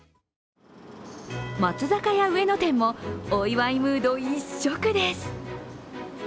松坂屋上野店もお祝いムード一色です。